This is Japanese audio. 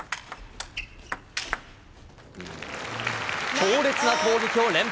強烈な攻撃を連発。